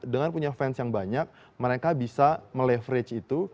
dengan punya fans yang banyak mereka bisa meleverage itu